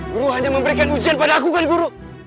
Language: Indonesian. guru hanya memberikan ujian pada aku kan guru